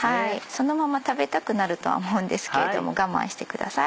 そのまま食べたくなると思うんですけれども我慢してください。